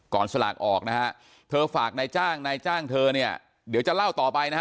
สลากออกนะฮะเธอฝากนายจ้างนายจ้างเธอเนี่ยเดี๋ยวจะเล่าต่อไปนะฮะ